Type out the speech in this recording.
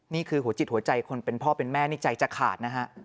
นี่คือหัวจิตหัวใจคนเป็นพ่อเป็นแม่นี่ใจจะขาดนะฮะ